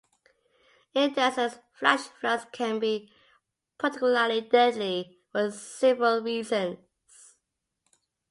In deserts, flash floods can be particularly deadly for several reasons.